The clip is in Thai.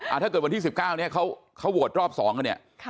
อ่าถ้าเกิดวันที่๑๙เขาโหวตรอบ๒อ่ะเนี่ย